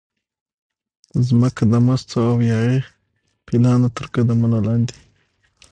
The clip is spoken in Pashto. مځکه د مستو او یاغي پیلانو ترقدمونو لاندې